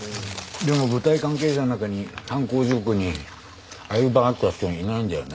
でも舞台関係者の中に犯行時刻にアリバイがあった人はいないんだよね。